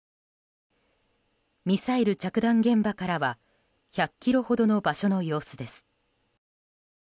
ミサイル着弾現場からは１００ｋｍほどの場所の様子です。